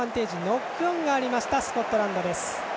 ノックオンがありましたスコットランドです。